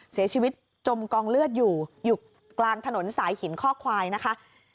จมกองเลือดอยู่อยู่กลางถนนสายหินข้อควายนะคะ